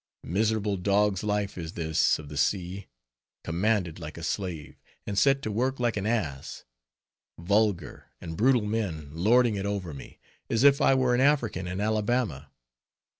Miserable dog's life is this of the sea! commanded like a slave, and set to work like an ass! vulgar and brutal men lording it over me, as if I were an African in Alabama.